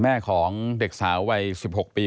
แม่ของเด็กสาววัย๑๖ปี